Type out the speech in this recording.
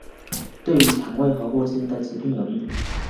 对于胃肠和呼吸的疾病有益。